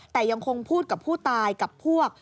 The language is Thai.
แต่ยังคงพูดกับผู้ตายกับพวก